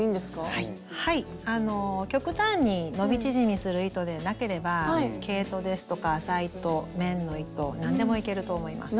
はい極端に伸び縮みする糸でなければ毛糸ですとか麻糸綿の糸何でもいけると思います。